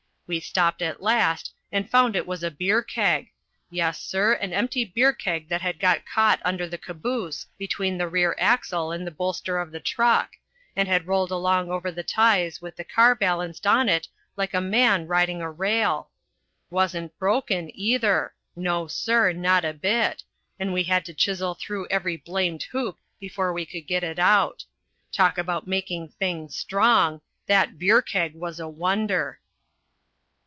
We stopped at last, and found it was a beer keg; yes, sir, an empty beer keg that had got caught under the caboose between the rear axle and the bolster of the truck, and had rolled along over the ties with the car balanced on it like a man riding a rail. Wasn't broken, either; no, sir, not a bit; and we had to chisel through every blamed hoop before we could get it out. Talk about making things strong that beer keg was a wonder!"